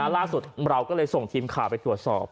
ล่าสุดเราก็เลยส่งทีมข่าวไปตรวจสอบ